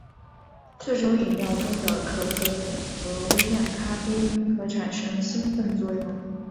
这种饮料中的可可碱和微量咖啡因可产生兴奋作用。